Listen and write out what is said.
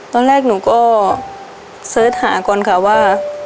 ตอนแรกหนูก็เสิร์ชหาก่อนค่ะว่า